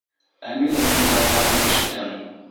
Ә мин уның янғанын ишетәм.